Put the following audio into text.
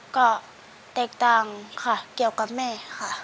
ก็แตกต่างค่ะเกี่ยวกับแม่ค่ะ